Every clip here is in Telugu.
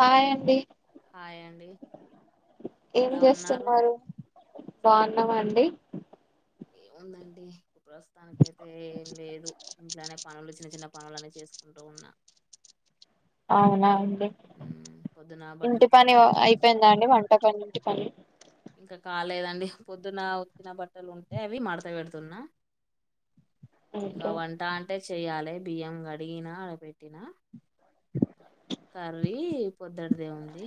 హాయ్ అండి హాయ్ అండి ఏం ఎలా ఉన్నారు చేస్తున్నారు బాగున్నావా అండి ఏముందండి ప్రస్తుతానికైతే ఏం లేదు ఇంట్లోనే పనులు చిన్న చిన్న పనులన్న చేసుకుంటూ ఉన్నా అవునా మ్మ్ పొద్దున బట్టలు ఇంటి పని ఉతికిన బట్టలు ఉంటే అయిపోయిందా అండి వంట పని ఇంటి పని ఇంకా కాలేదండి పొద్దున ఉత్కిన బట్టలు ఉంటే అవి మడత పెడుతున్నా ఇంకా ఓకే వంట అంటే చెయ్యాలే బియ్యం గడిగినా అడ పెట్టినా కర్రీ పొద్దుటిదే ఉంది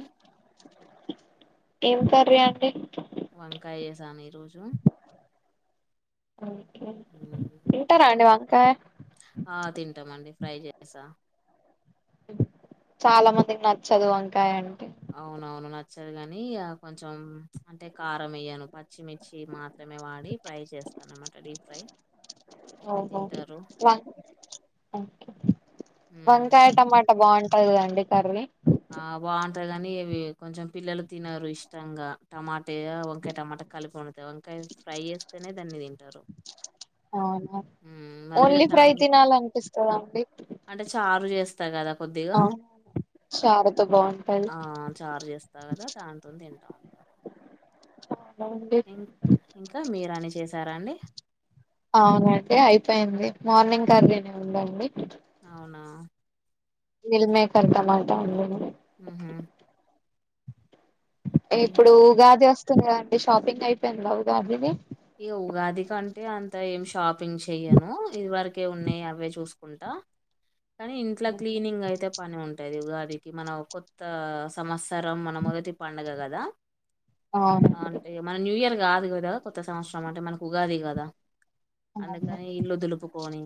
ఏం కర్రీ అండి జానే రోజు తింటరా అండి వం కాయ ఆ తింటామండి ఫ్రై చేసా చాలా మందికి నచ్చదు వంకాయ అంట అవునవును నచ్చదు కాని కొంచెం అంటే కారం ఏయ్యాను పచ్చిమిర్చి మా మాత్రమే వాడి ఫ్రై చేస్తాన్నమాట డీప్ ఫ్రై ఓకే ఓహో తింటారు వం ఉమ్ వంకాయ టమాటా బాగుంటది కదండి కర్రీ ఆ బాగుంటది కాని ఇవి కొంచెం పిల్లలు తినరు ఇష్టంగా టమా ఏ వంకాయ టమాటా కలిపి వండితే వంకాయ ఫ్రై చేస్తేనే దాన్ని తిం అవునా హ్మ్. మళ్ళ ఓన్లీ వీళ్ళకి ఫ్రై టం తీనాల అని పిస్ కదా అండి అంటే చారు చేస్తా కదా కొద్దిగా అవును చారుతో బాగుంటది ఆ చారు చేస్తా కదా దాంతోని తింటా ఉంటారు అవునండి ఇం ఇంకా మీరు అని చేస్ తారా అండి అవునండి అయిపోయింది మార్నింగ్ కర్రీనే ఉందండి అవునా మిల్ మేకర్ టమాట వండిన ఉమ్ హూ ఇప్పుడు ఉగాది వస్ తుంది కదా అండి షాపింగ్ అయిపోయిందా ఉగాది ది ఇగ ఉగాది కంటే అంత ఏం షాప్ పింగ్ చెయను ఇది వరకే ఉన్నాయి అవే చూసు కుంటా కానీ ఇంట్ల క్లీనింగ్ అయితే పని ఉంటాయి ఈ ఉగాదికి మన కొత్త సంవత్సరం మన మొదటి పండుగ కదా అవునండి అంటే మన న్యూ ఇయర్ కాదు గదా కొ కొత్త సంవత్సరం అంటే మనకు ఉగాది కదా అవును అందుకని ఇల్లు దులుపుకొని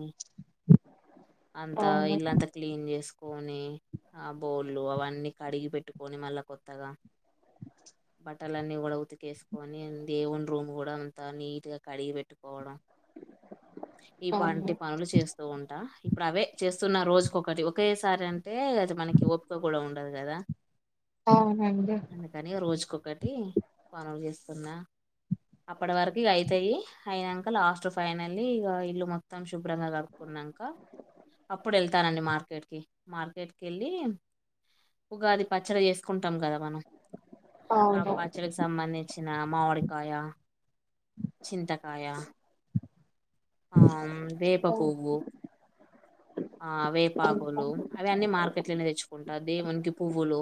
అంత అవును ఇల్లంతా క్లీన్ చేసుకు కోని ఆ బోలు అవన్నీ కడిగి పెట్టుకొని మళ్ల కొత్తగా బట్టలన్నీ కూడ ఉతికేసుకొని దేవుని రూమ్ కూడా అంత నీట్ గా కడిగి పెట్టుకోవడం ఈ అవును పంటి పనులు చేస్తూ ఉంటా ఇప్పుడు అవే చేస్తున్న రోజుకొక ఒకటి ఒకేసారి అంటే అది మనకి ఓపిక కూడా ఉండదు కదా అవునండి ఒకటి పనులు చేస్తున్నా అప్పడి వరకు ఇగ అయితాయి అయినంక లాస్ట్ ఫైనలీ ఇగ ఇల్లు మొత్తం శుభ్రంగా కడుక్కున్నాంక అప్పుడు వెళ్తానండి మార్కెట్ మార్కెట్ కెళ్ళి ఉగాది పచ్చడి చేసుకుంటాం కదా మనం ఆ అవును పచ్చడికి సంబంధించిన మామిడికి కాయ చింతకాయ ఆ వేప ఇంకా పువ్వు ఆ ఇంకా వేపాకులు అవి అన్నీ మార్కెట్ లోనే తెచ్చుకుంటా దేవునికి పువ్వులు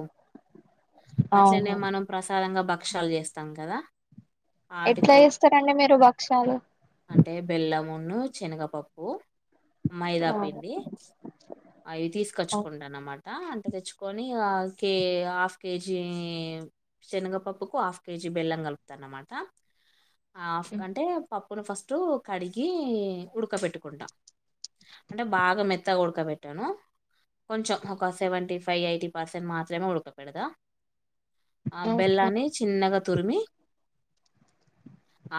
అట్లనే అవును మనం ప్రసాదంగా బ క్షాలు చేస్తాం కదా ఎట్ల ఆటికో చేస్తారండి మీరు భక్ష్యాలు మోన్ను చనగపప్పు మైదా అవును పిండి అయి ఓకే తీసుకొచ్చుకుండాను అన్నమాట అంట తెచ్చుకొని కే హాఫ్ కేజీ శనగపప్పుకు హాఫ్ కేజీ బెల్లం కలుపుతా అన్నమాట ఆఫ్ కంటే పప్ మొన్న ఫస్ట్ కడి గి ఉడకబెట్టుకుంటాం అంటె బాగ మెత్తగా ఉడకబెట్టాను కొంచెం ఒక సెవెంటీ ఫైవ్ ఎయిటీ పర్సెంట్ మాత్రమే ఉడక పెడదా అ ఓకే బెల్లాన్ని చిన్నగా తురిమి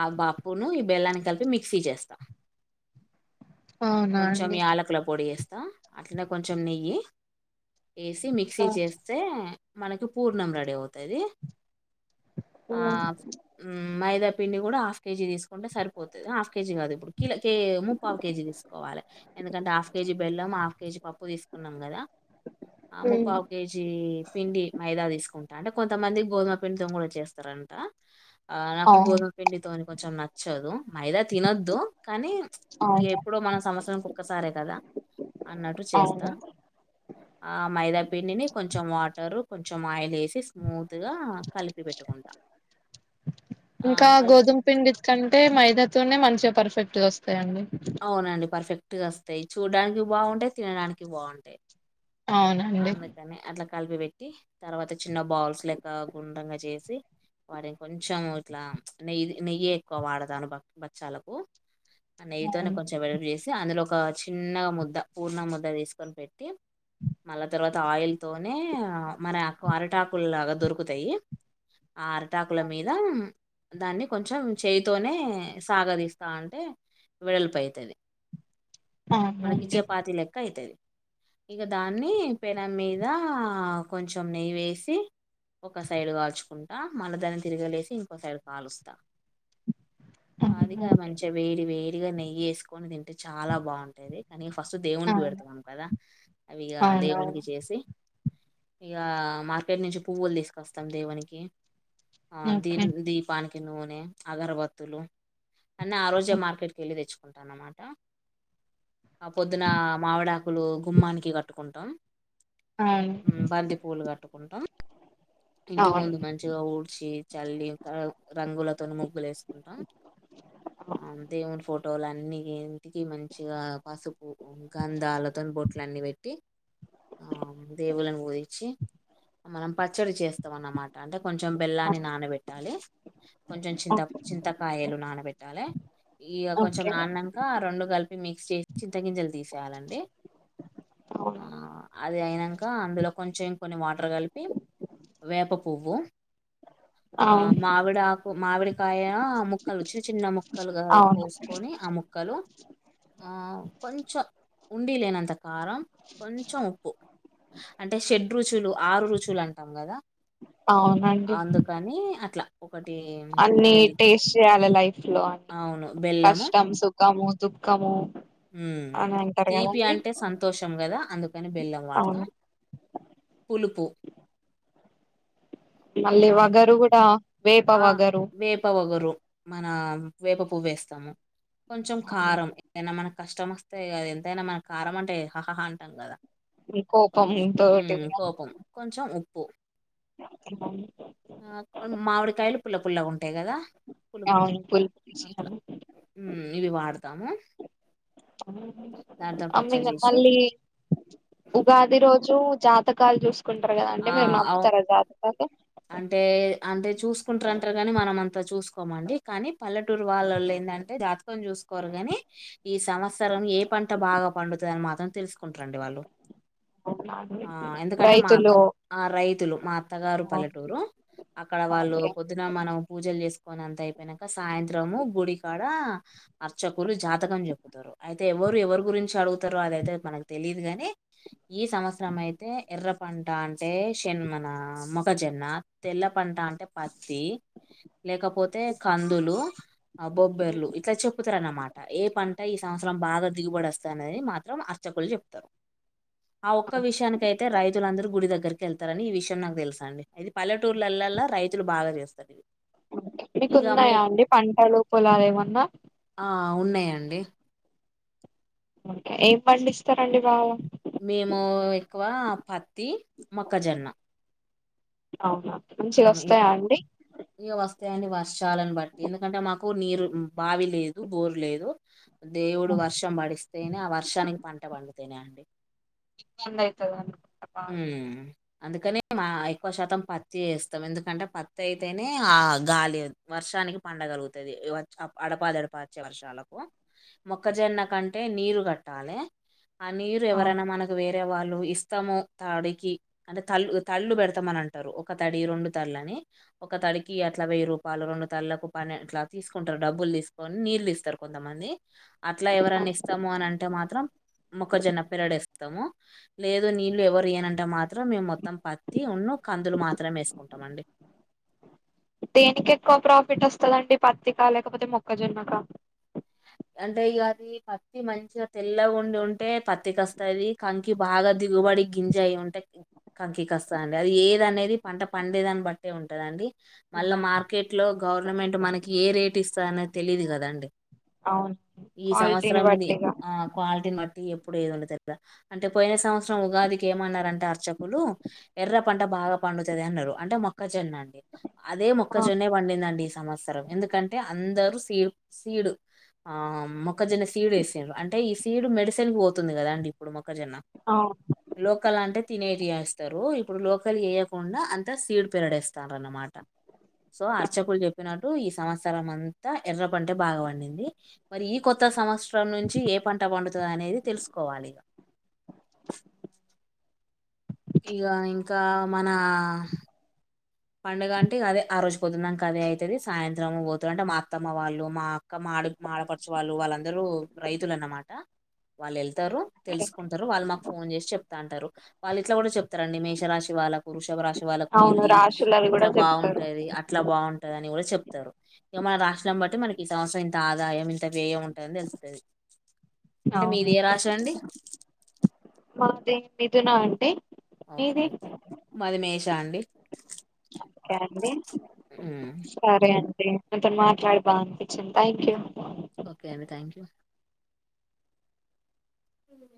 ఆ బాప్పును ఈ బెల్లాన్ని కలిపి మిక్సీ చేస్ స్త అవునా కొంచెం అండి ఈ యాలకుల పొడి వేస్ స్తా అట్నే కొంచెం నెయ్యి యేసి మిక్సీ ఆ చేస్తే మనకు పూర్ణం రెడీ అవుతది ఉమ్ ఆ మ్ మైద పిండి కూడా హఫ్ కేజీ తీసుకుంటే సరిపోతుంది హాఫ్ కేజీ కాదు కిలో కె ముప్పవ్ కేజీ తీసుకోవాలి ఎందుకంటే హాఫ్ కేజీ బెల్లం హాఫ్ కేజీ పప్పు తీసుకున్నాం కదా ఆ ఉమ్ ముప్పావ్ కేజీ పిండి మైదా తీసుకుంటా అంటె కొంతమంది గోధుమ పిండితో కూడా చేస్తారంట ఆ నాకు అవును గోధుమ పిండితోని కొంచెం నచ్చదు మైదా తినొద్దు కనీ అవును ఎప్పుడో మనం సంవత్సరాని ఒక్కసారే కదా అన్నట్టు అవును చేస్తామ్ ఆ మైదాపిండిని కొంచెం వాటరు కొంచెం ఆయిల్ వేసి స్మూత్ గా కలిపి పెట్టుకుంటా ఆ ఇంకా కల్ గోధుమ్ పిండి కంటే మైదాతో నె మంచిగా పరుస్ పెట్టుకొస్తయండి అవునండి పర్ఫెక్ట్ క్ట్ట గ వస్తయి చూడ్డానికి బాగుంటాయి తినడానికి బాగుంటాయి అవునండి అందుకని అట్ల కలిపి పెట్టి తర్వాత చిన్న బౌల్స్ లెక్క గుండ్రంగా చేసి వాటిని కొంచెం ఇట్ల నెయ్యి నెయ్యి ఎక్కువ వాడతాను బచ్చాలకు నెయితోనే అవును కొంచెం ఏడల్పు చేసు అందులో ఒక చిన్నగా ముద్ద పూర్ణ ముద్ద తీసుకొని పెట్టి మళ్ళా తర్వాత ఆయిల్తోనే మన అకువ అరటాకులలాగా దొరుకుతాయి ఆ అరటాకుల మీద దాన్ని కొంచెం చేయితోనే సాగదీస్తా ఉంటే వెడల్పు అవుతాయి మనకి అవునండి చపాతి లెక్క అయితది ఇగా దాన్ని పెనం మీదా కొంచెం నెయ్యి వేసి ఒక సైడ్ కాల్చుకుం టి మళ్ళ దాన్ని తిరిగలేసి ఇంకోసైడ్ కాలుస్తా అవును అదిగా మంచిగా వేడి వేడి కొద్దిగా నెయ్యి ఏసుకొని తింటే అంటే చాలా బాగుంటాది కానీ ఫస్ట్ దేవునికి అవును పెడతాంను కదా అవి గా అవునవును దేవునికి చేసి ఇగా మార్కెట్ నుంచి పువ్వులు తీసుకొస్తాం దేవునికి ఆ దీ ఓకే దీపానికి నూనె అగరబత్తులు అన్న ఆ రోజే మార్కెట్కి ఏళ్ళి తెచ్చు అన్నమాట ఆ పొద్దున మామిడాకులు గుమ్మాని కి కట్టుకుంటాం బంది పూలు గాట్టు కుంటాం అవును అవును ఇంటి అవును ముందు మంచిగా ఊడ్సి చల్లి రంగుల తోని ముగ్గులు వెస్తు ఉంటాం ఆ దేవుని ఫోటో ఫోటోలు అన్ని ఇంటికి మంచిగా పసుపు గంధాలతో బోట్లు అన్ని పెట్టి టి ఆ దేవులను ఊధించి మనం పచ్చడి చేస్తాం అనమాట అంటే కొంచెం బెల్లాన్ని నానబెట్టాలి కొంచెం చింత ఓ- చింతకాయలు నానబెట్టాలి ఇక కొంచెం ఓకే నాన్నాక రెండు కలిపి మిక్స్ చేసి చింతాగింజలు తీసేయాలండి ఆ అవును అది అయినాక అందులో కొంచం కొన్ని వాటర్ కలిపి వేప పోవ్వు ఆ అవును మామిడి ఆకు మామిడికాయ ఆ ముక్కలు చిన్న చిన్న ముక్కలుగా అవును పోసుకొని ఆ ముక్కలు ఉండీ లేనంత కారం. కొంచం ఉప్పు అంటే షెడ్ రుచులు ఆరు రుచులు అంటాం కదా. అవునండి అందుకని అట్లా ఒకటి అన్ని బెల్ టేస్ట్ చేయాల లైఫ్ లో అని. అవును బెల్లము కష్టం, సుఖము దుఃఖము ఉమ్ అని అంటారు తీపి కదండి అంటే సంతోషం కదా అందు అని బెల్లం వాడతాం. అవును పులుపు ఆ మళ్ళీ వగరు కూడా వేప ఆ వగరు వేప వగరు మన వేప పువ్వు వేస్తము. కొంచెం కారం ఏనా మన కష్టం వస్తయి కదా ఎంతైనా మనకి కారం అంటే హహ అంటాం కదా. కోపం కొంచ్ తోటి హ్ కూడా కోపం కొంచెం ఉ ప్పు. అవును ఆ కొని మావిడి పుల్ల పుల్ల పుల్లగా ఉంటయి కదా. పులుపు అవును, పులుపు అట్లా చేయాలి. హ్ ఇవి వాడ తాము. అ పచ్చడి ఇంగా చేసి మళ్ళీ ఉగాది రోజు జాతకాలు చూసు కుంటరు కదా అంట ఆ మీరు అవు నమ్ముతరా జాత ఓకే అంటే అంటే చూసుకుంటరంటరు కాని మనం అంతా చూసుకోమండి. కానీ పల్లెటూరు వాళ్ళలో ఏందంటే జాతకం చూసుకోరు కానీ ఈ సంవత్సరం ఏ పంట బాగా పండుతది అని మాత్రం తెలుసుకుంటరండి వాళ్ళు. అవునా అండి. ఆ ఎందుకంటే మా అత్త రైతులు ఆ రైతులు మా అత్తగారు పల్లెటూ రు అక్కడ వాళ్ళు ఓకే ఓకే పొద్దున మనం పూజలు చేసి కొని అంత అయిపోయినంక సాయంత్రము గుడికాడ అర్చకులు జాతకం చెప్పుతరు. అయితే ఎవరు ఎవరి గురించి అడుగుతరో అదైతే మనకు తెలిదుగాని. ఈ సంవత్సరం అయితే ఎర్ర పంట అంటే శెన్ మన మొక్కజొ న్న తెల్ల పంట అంటే పత్తి లేకపోతే కందులు ఆ బొబ్బెర్లు ఇట్లా చెప్పుతరు అన్నమాట ఏ పంట ఈ సంవత్సరం బాగా దిగుబడస్తది అనేది మాత్రం అర్చకులు చెప్తరు. ఆ ఒక్క విషయానికైతే రైతులందరూ గుడి దగ్గరికి కెళ్తారని ఈ విషయం నాకు తెలుసా అండి ఇది పల్లెటూర్లల్లలా రైతులు బాగా చేస్తారు ఇవి మీకు ఇక మీ ఉన్నాయా అండి పంటలు పొలాలు ఏమన్నా ఆ ఉన్నాయండి ఓకే ఏం పండిస్తారండి బాగా మేము ఎక్కువ ప తిని, మొక్కజొన్న అవునా మంచిగ వస్తాయా అండి తే అని వర్షాలని బట్టి ఎందుకంటే మాకు నీరు బావి లేదు బోరు లేదు దేవుడు వర్షం పడిస్తేనే ఆ వర్షానికి పంట పండు తేనే అండి చదునైతదం హ్మ్ అందుకని మా ఎక్కువ శాతం పత్తి వేస్తాం ఎందుకంటే పత్తి అయితేనే ఆ గాలి వర్షానికి పండగలుగుతది అడపాదడపా వచ్చే వర్షాలకు మొక్కజొన్న కంటే నీరు కట్టాలె ఆ నీరు ఆ, ఎవరన్నా మనకు వే టే వాళ్ళు ఇస్తము తాడికి అంటే తళ్ తళ్ళు పెడతామని అంటారు ఒక తడి రెండు తళ్ళని ఒక తడికి అట్లా వెయ్యి రూపాయలు రెండు తళ్ళకు పనె ఇట్లా తీసుకుంటారు డబ్బులు తీసుకొని నీళ్ళిస్తారు కొంతమంది అట్లా ఆ. ఎవరన్నిస్తము అని అంటే మాత్రం మొక్కజొన్న పిరడేస్తము లేదు నీళ్ళు ఎవ రియ్యనంటే మాత్రం మేం మొత్తం పత్తి ఉన్ను కందులు మాత్రమే ఏసుకుంటాం అండి దేనికి ఎక్కువ ప్రాఫిట్ వస్తదండి పత్తికా లేకపోతే మొక్కజొన్నకా అంటే ఇగ అది పత్తి మంచిగా తెల్ల ఉండి ఉంటే పత్తికస్తది కంకి బాగా దిగుబడి గింజ అయ్యింటే కంకస్తాంది అది ఏది అనేది పంట పండేదాన్ని బట్టే ఉంటదండి మళ్ళ ఆహా. మార్కెట్ లో గవర్నమెంట్ మనకి ఏ రేట్ ఇస్తా అనేది తెలిదు కదండి అవును ఈ క్వాలిటీని సంవత్సరంది బట్టిగా ఆ క్వాలిటీని బట్టి ఈ ఇప్పుడు ఏదని తెల్లా అంటే పోయిన సంవత్సరం ఉగాదికి ఏమన్నారంటే అర్చకులు ఎర్ర పంట బాగా పండుతది అన్నారు అంటే మొక్కజొన్నండి అదే ఆ, మొక్కజొన్నే పండిందండి సంవత్సరం ఎందుకంటే అందరూ సీడ్ సీడు ఆం మొక్కజొన్న సీడ్ వేసిండ్రు అంటే ఈ సీడు మెడిసిన్ కు పోతుంది కదండి ఇప్పుడు మొ క్కజొన్న అవును లోకల్ అంటే తినేటివేస్తారు ఇప్పుడు లోకల్ వేయకుండా అంతా సీడ్ పెరడేస్తారు అనమాట, సో అర్చకులు చెప్పినట్టు ఈ సంవత్సరం అంతా ఎర్ర పంటే బాగా పండిం ది మరి ఈ కొత్త సంవత్సర్ [unintelligible] నుంచి ఏ పంట పండుతుంది. [unintelligible] అనేది తెలుసుకోవాలి. ఇగా ఇంకా మన. పండుగ అంటే ఇగ అదే ఆ రోజు పొద్దున్నాందాక అదే అయితది, సాయంత్రం పోతున్నా అంటే మా అత్తమ్మ వాళ్ళు, మా అక్క, మాడి మాఆడపడుచు వాళ్ళు, వాళ్ళందరూ రైతులు అన్నమాట వాళ్ళు వె వెళ్త్. తారు ఓకే. తెలుసుకుంటారు వాళ్ళు మాక్. ఫోన్ చేసి చెప్తా అంటారు. వాళ్ళు ఇట్లా కూడా చెప్తారండి మేషరాశి వాళ్ళకు, వృషభ రాశి. వాళ్ళకు ఈర్ అవును, ఈ. రాశులవి ఇట్ల కూడా చెప్తారు బాగుంటాది అట్ల బాగుం టది అని కూడా చెప్తారు ఇగ మన రాసినం బట్టి మనకి ఈ సంవత్సరం ఇంత ఆదాయం ఇంత వ్యయం ఉంటదని తెలుస్తది. అవును. [unintelligible] మీధునా అంటే. Okay okay Madhunesh. చాండి. ఓకే అండి. మీతోనీ మాట్లాడి బా అనిపించింది థ్యాంక్ యూ. ఓకే అండి థాంక్యూ. ఉమ్.